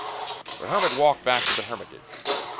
The hermit walked back to the hermitage.